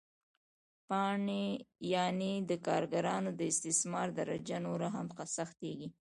یانې د کارګرانو د استثمار درجه نوره هم سختېږي